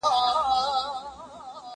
زه به سبا د سبا لپاره د درسونو يادونه کوم.